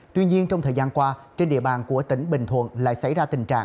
tuy nhiên trong thời gian qua trên địa bàn của tỉnh bình thuận lại xảy ra tình trạng